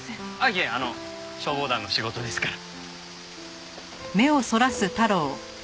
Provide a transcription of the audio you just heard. いえあの消防団の仕事ですから。